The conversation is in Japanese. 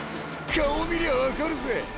顔見りゃ分かるぜ。